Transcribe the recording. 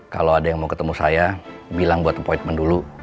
kalau ada yang mau ketemu saya bilang buat appointment dulu